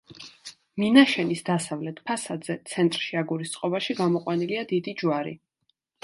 მინაშენის დასავლეთ ფასადზე, ცენტრში აგურის წყობაში გამოყვანილია დიდი ჯვარი.